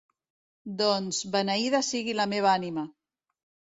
Doncs, beneïda sigui la meva ànima!